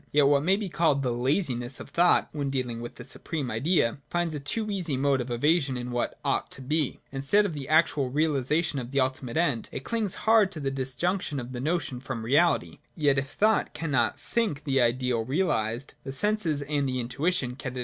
Yet what may be called the laziness of thought, when dealing with this supreme Idea, finds a too easy mode of evasion in the ' ought to be ': instead of the actual realisation of the ultimate end, it clings S5 57 ] AESTHETIC AND ORGANIC IDEAS. 113 hard to the disjunction of the notion from reahty. Yet if thought will not think the ideal realised, the senses and the intuition can at